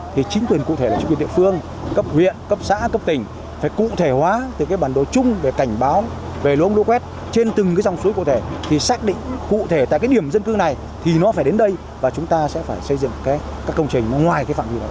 thì chính quyền cụ thể là chính quyền địa phương cấp huyện cấp xã cấp tỉnh phải cụ thể hóa từ cái bản đồ chung để cảnh báo về lũ ống lũ quét trên từng cái dòng suối cụ thể thì xác định cụ thể tại cái điểm dân cư này thì nó phải đến đây và chúng ta sẽ phải xây dựng các công trình ngoài phạm vi đó